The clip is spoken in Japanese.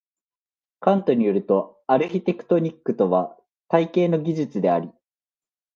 カントに依ると、アルヒテクトニックとは「体系の技術」であり、